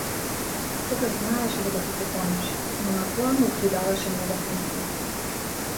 Тогаш знаеше дека ќе се понижи, но на тоа му придаваше нова смисла.